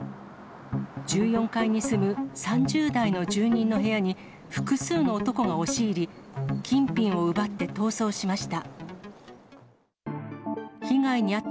１４階に住む３０代の住人の部屋に複数の男が押し入り、金品を奪って逃走しました。